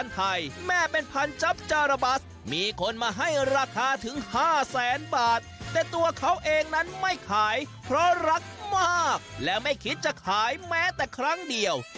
แต่ตัวเขาเองนั้นไม่ขายเพราะรักมากและไม่คิดจะขายแม้แต่ครั้งเดียว